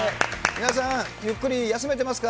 皆さん、ゆっくり休めてますか。